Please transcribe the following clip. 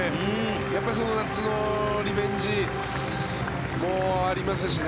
やっぱり夏のリベンジもありますしね